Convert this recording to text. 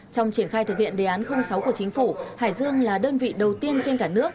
trong triển khai thực hiện đề án sáu của chính phủ hải dương là đơn vị đầu tiên trên cả nước